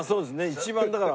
一番だから。